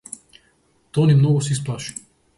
Тони многу се исплаши.